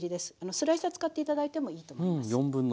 スライサー使って頂いてもいいと思います。